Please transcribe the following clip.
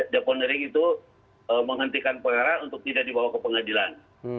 depon hering itu menghentikan perkara untuk tidak dibawa ke perumahan